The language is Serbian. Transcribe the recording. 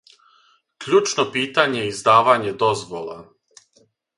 Кључно питање је издавање дозвола.